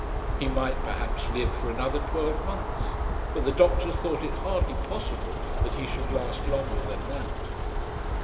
He might perhaps live for another twelve months, but the doctors thought it hardly possible that he should last longer than that.